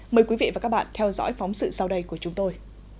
mời quý vị và các bạn theo dõi phóng sự sau đây của chúng tôi